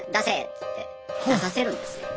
っつって出させるんですね。